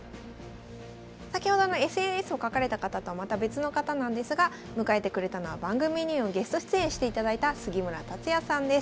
先ほどのＳＮＳを書かれた方とはまた別の方なんですが迎えてくれたのは番組にもゲスト出演していただいた杉村達也さんです。